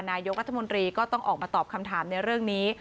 นายกรัฐมนตรีก็ต้องออกมาตอบคำถามในเรื่องนี้